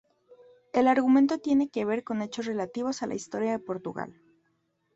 El argumento tiene que ver con hechos relativos a la historia de Portugal.